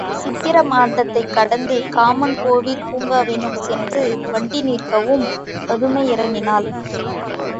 சித்திர மாடத்தைக் கடந்து காமன் கோவிற் பூங்காவினுள் சென்று வண்டி நிற்கவும் பதுமை இறங்கினாள்.